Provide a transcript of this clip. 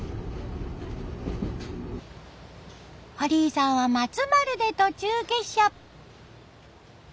堀井さんは松丸で途中下車。